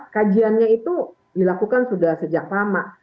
kajiannya itu dilakukan sudah sejak lama